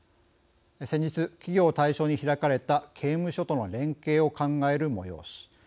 先日、企業を対象に開かれた刑務所との連携を考える催し。